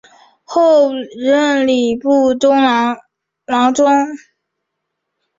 后任礼部郎中。